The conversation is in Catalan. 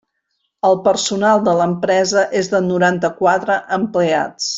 El personal de l'empresa és de noranta-quatre empleats.